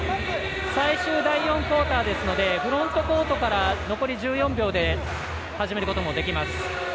最終、第４クオーターですのでフロントコートから残り１４秒で始めることもできます。